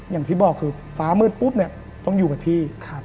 อย่างที่บอกคือฟ้ามืดต้องอยู่กับที่ครับ